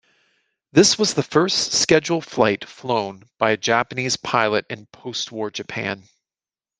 This was the first scheduled flight flown by a Japanese pilot in postwar Japan.